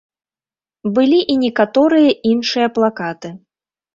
Былі і некаторыя іншыя плакаты.